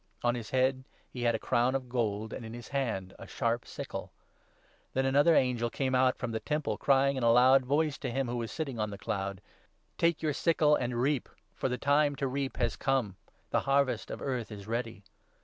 On his head he had a crown of gold, and in his hand a sharp sickle. Then another angel came out from the Temple, crying in a 15 loud voice to him who was sitting on the cloud —' Take your sickle and reap, for the time to reap has come ; the Harvest of Earth is ready.'